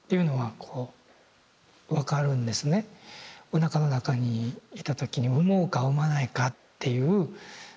おなかの中にいた時に産もうか産まないかっていう。